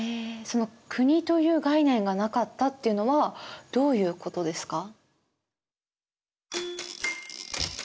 その国という概念がなかったっていうのはどういうことですか？